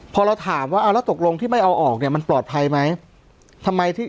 พอเราถามว่าตกลงที่ไม่เอาออกมันปลอดภัยไหม